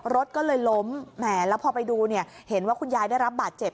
รถก็เลยล้มแหมแล้วพอไปดูเนี่ยเห็นว่าคุณยายได้รับบาดเจ็บ